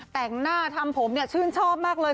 แต่งหน้าทำผมเนี่ยชื่นชอบมากเลย